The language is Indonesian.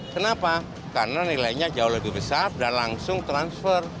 kenapa karena nilainya jauh lebih besar dan langsung transfer